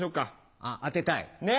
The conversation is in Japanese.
あっ当てたい。